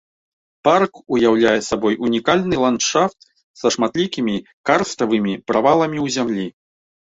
Парк уяўляе сабой унікальны ландшафт са шматлікімі карставымі праваламі ў зямлі.